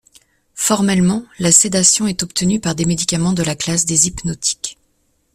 Formellement, la sédation est obtenue par des médicaments de la classe des hypnotiques.